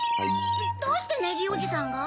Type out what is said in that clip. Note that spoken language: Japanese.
どうしてネギーおじさんが？